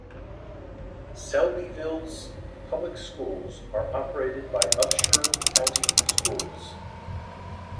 Selbyville's public schools are operated by Upshur County Schools.